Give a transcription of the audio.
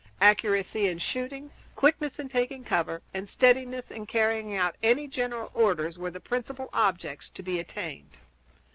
Accuracy in shooting, quickness in taking cover, and steadiness in carrying out any general orders were the principal objects to be attained.